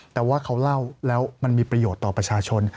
แต่ว่าเขาเล่าแล้วมันมีประโยชน์ต่อประชาชน